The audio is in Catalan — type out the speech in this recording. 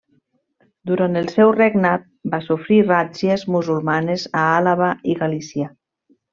Durant el seu regnat va sofrir ràtzies musulmanes a Àlaba i Galícia.